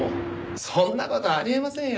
そんな事あり得ませんよ。